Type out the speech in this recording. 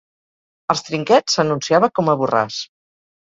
Als trinquets s'anunciava com a Borràs.